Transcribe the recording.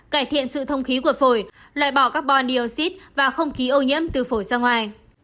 cải thiện sự thông khí của phổi loại bỏ carbon dioxid và không khí ô nhiễm từ phổi ra ngoài